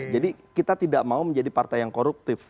jadi kita tidak mau menjadi partai yang koruptif